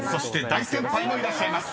［大先輩もいらっしゃいます］